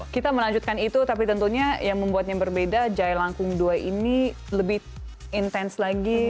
kita melanjutkan itu tapi tentunya yang membuatnya berbeda jaya langkung dua ini lebih intens lagi